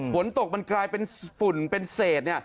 ฝนตกมันกลายเป็นฝุ่นเป็นเศษ